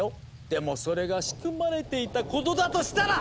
でもそれが仕組まれていたことだとしたら！